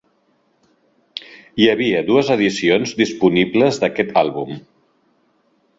Hi havia dues edicions disponibles d'aquest àlbum.